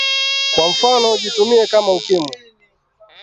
kwa mfano ujitumie Kama ukimwi.